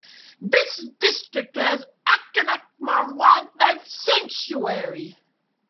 This district has Achanakmar Wildlife Sanctuary.